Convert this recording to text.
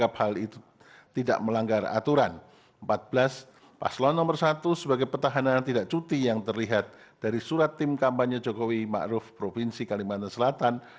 tiga belas paslon satu sebagai petahanan tidak cuti yang terlihat dari surat tim kampanye jokowi ma'ruf provinsi kalimantan selatan